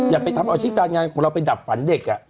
อย่าไปทำอาชีพการงานของเราไปดับฝันเด็ก